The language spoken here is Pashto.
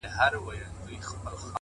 را روان په شپه كــــي ســـېــــــل دى!